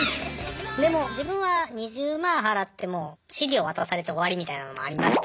でも自分は２０万払っても資料渡されて終わりみたいなのもありましたし。